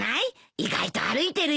意外と歩いてるよ。